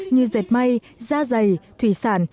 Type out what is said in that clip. như dệt may da dày thủy sản